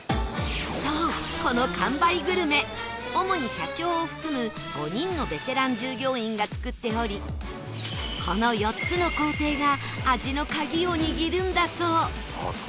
そうこの完売グルメ主に社長を含む５人のベテラン従業員が作っておりこの４つの工程が味の鍵を握るんだそう